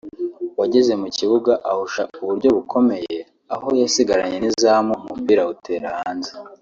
wageze mu kibuga ahusha uburyo bukomeye aho yasigaranye n’izamu umupira awutera hanze